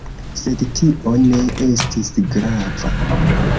Sed tio ne estis grava.